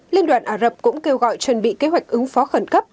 liên đoàn ả rập cũng kêu gọi chuẩn bị kế hoạch ứng phó khẩn cấp